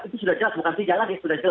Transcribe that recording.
itu sudah jelas bukan sinyal lagi